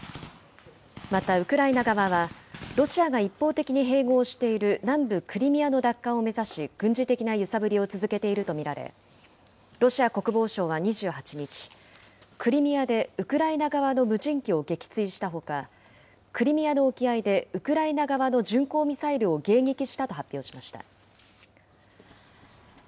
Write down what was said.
また、ウクライナ側はロシアが一方的に併合している南部クリミアの奪還を目指し軍事的な揺さぶりを続けていると見られ、ロシア国防省は２８日、クリミアでウクライナ側の無人機を撃墜したほか、クリミアの沖合でウクライナ側の巡航ミサイルを迎撃したと発表しました。